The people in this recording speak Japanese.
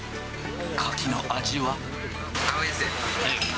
カキの味は？